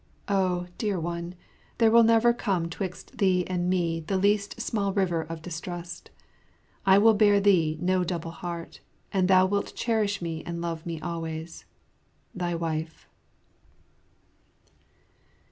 Oh, dear one, there will never come 'twixt thee and me the least small river of distrust. I will bear to thee no double heart, and thou wilt cherish me and love me always. Thy Wife.